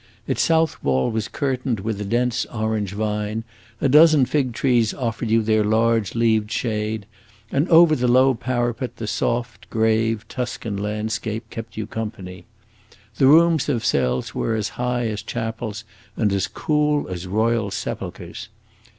Its south wall was curtained with a dense orange vine, a dozen fig trees offered you their large leaved shade, and over the low parapet the soft, grave Tuscan landscape kept you company. The rooms themselves were as high as chapels and as cool as royal sepulchres.